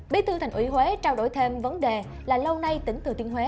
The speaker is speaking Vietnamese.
bí thư thành ủy huế trao đổi thêm vấn đề là lâu nay tỉnh thừa thiên huế